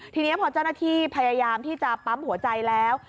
ทีนี้พอเจ้าหน้าที่พยายามที่จะปั๊มหัวใจแล้ว